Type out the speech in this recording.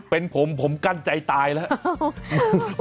เป็นผมผมกั้นใจตายแล้ว